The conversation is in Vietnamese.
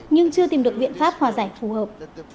nhưng chưa tìm được biện pháp hòa giải phù hợp